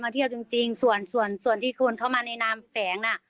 เที่ยวจริงส่วนที่คุณเข้ามาในนามแฝง